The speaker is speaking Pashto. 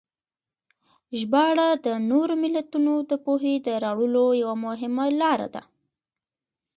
ژباړه د نورو ملتونو د پوهې د راوړلو یوه مهمه لاره ده.